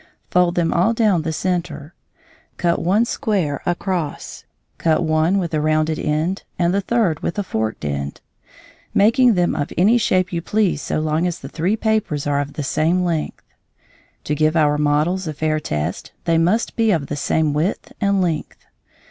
Fold them all down the centre. Cut one square across; cut one with a rounded end and the third with a forked end, making them of any shape you please so long as the three papers are of the same length. To give our models a fair test they must be of the same width and length.